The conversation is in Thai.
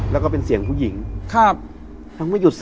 แล้วก็เป็นเสียงผู้หญิงครับยังไม่หยุด